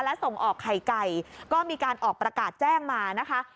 และส่งออกไข่ไก่ก็มีการออกประกาศแจ้งมานะคะ